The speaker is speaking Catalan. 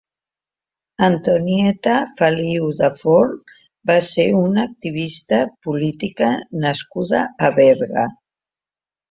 Antonieta Feliu de Forn va ser una activista política nascuda a Berga.